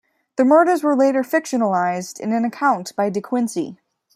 The murders were later fictionalised in an account by De Quincey.